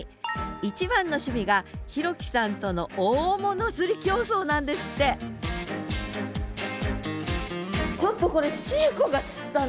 一番の趣味が弘樹さんとの大物釣り競争なんですってちょっとこれ智恵子が釣ったの？